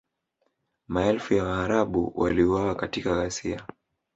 Maelfu ya Waarabu waliuawa katika ghasia